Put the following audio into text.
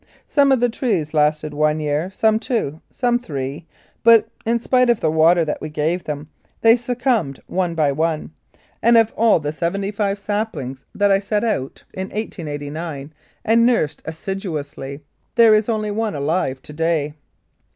Some of the trees lasted one. year, some two, some three, but, in spite of the water that we gave them, they suc cumbed one by one, and of all the seventy five sap 52 1888. Lethbridge lings that I set out in 1889 and nursed assiduously there is only one alive to day.